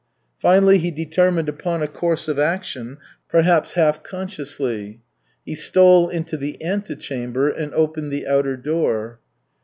Finally he determined upon a course of action, perhaps half unconsciously. He stole into the antechamber and opened the outer door.